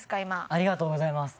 ありがとうございます。